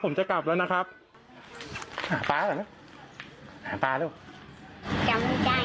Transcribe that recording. ผมจะกลับแล้วนะครับหาป๊าก่อนไหมหาปลาแล้วจำไม่ได้